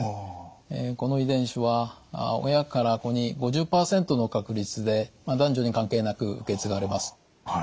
この遺伝子は親から子に５０％の確率で男女に関係なく受け継がれます。